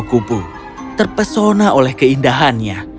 kupu kupu terpesona oleh keindahannya